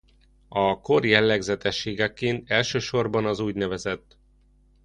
A kor jellegzetességeként elsősorban az ú.n.